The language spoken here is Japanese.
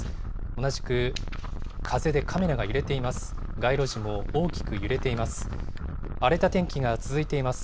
同じく風でカメラが揺れています。